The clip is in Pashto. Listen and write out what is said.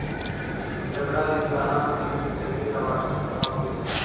جګړه د انسانانو ترمنځ د وېرې او وحشت سبب ګرځي.